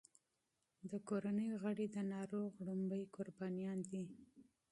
د کورنۍ غړي د ناروغ لومړني قربانیان دي.